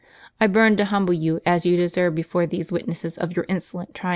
I burn to humble you as you deserve, before these witnesses of your insolent triumphs.'